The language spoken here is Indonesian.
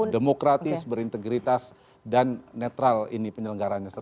demokratis berintegritas dan netral ini penyelenggaranya